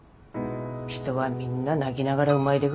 人はみんな泣きながら産まいでくる。